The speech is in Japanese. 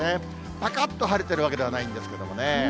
ぱかっと晴れてるわけではないんですけれどもね。